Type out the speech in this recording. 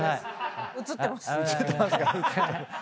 映ってます。